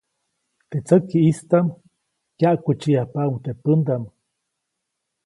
Teʼ tsäkiʼstaʼm kyaʼkutsiʼyajpaʼuŋ teʼ pändaʼm.